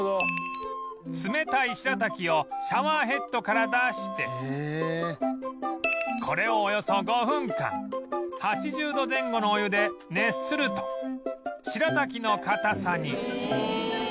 冷たいしらたきをシャワーヘッドから出してこれをおよそ５分間８０度前後のお湯で熱するとしらたきの硬さに